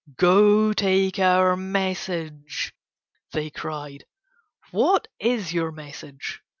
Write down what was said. "Go take our message," they cried. "What is your message?"